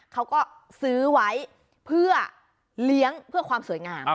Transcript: เขาก็ซื้อไว้เพื่อเลี้ยงเพื่อความสวยงาม